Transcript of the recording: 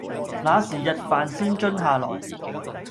那時日飯先蹲下來